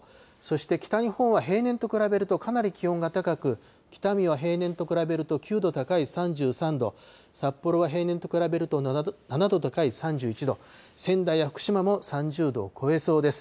そして北日本は平年と比べるとかなり気温が高く、北見は平年と比べると９度高い３３度、札幌は平年と比べると７度高い３１度、仙台や福島も３０度を超えそうです。